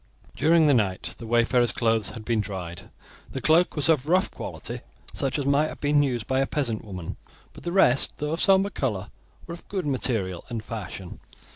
During the night the wayfarer's clothes had been dried. The cloak was of rough quality, such as might have been used by a peasant woman; but the rest, though of sombre colour, were of good material and fashion.